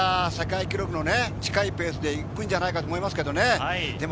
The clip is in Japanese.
世界記録に近いペースで行くんじゃないかと思いますけどね。